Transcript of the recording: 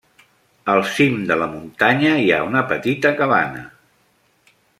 Al cim de la muntanya hi ha una petita cabana.